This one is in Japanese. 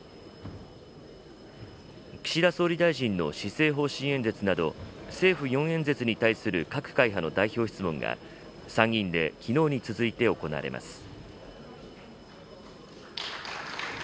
岸田総理大臣の施政方針演説など、政府４演説に対する各会派の代表質問が、参議院できのうに続いて行われます。